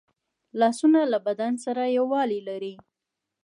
لاسونه له بدن سره یووالی لري